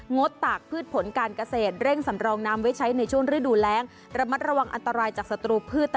งดตากพืชผลของการเกษตร